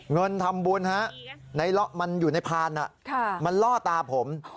เงินทำบุญฮะมันอยู่ในพานมันล่อตาผม